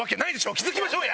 気付きましょうや！